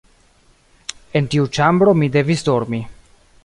En tiu ĉambro mi devis dormi.